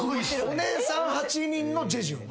お姉さん８人のジェジュン？